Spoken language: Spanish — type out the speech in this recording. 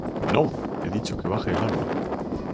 ¡ no! he dicho que baje el arma.